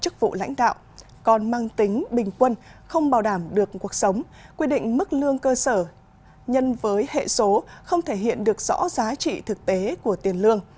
chức vụ lãnh đạo còn mang tính bình quân không bảo đảm được cuộc sống quy định mức lương cơ sở nhân với hệ số không thể hiện được rõ giá trị thực tế của tiền lương